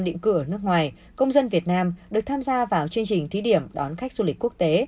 định cửa ở nước ngoài công dân việt nam được tham gia vào chương trình thí điểm đón khách du lịch quốc tế